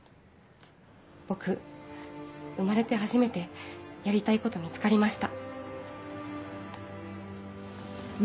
僕生まれて初めてやりたいこと見つかりました」。